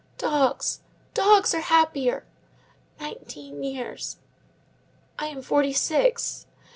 Dogs, dogs are happier! Nineteen years! I am forty six.